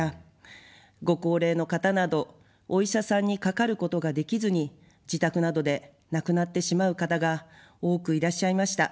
ご高齢の方など、お医者さんにかかることができずに自宅などで亡くなってしまう方が多くいらっしゃいました。